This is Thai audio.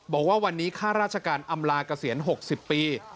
บอกว่าวันนี้ค่าราชการอำลาเกษียณ๖๐ปี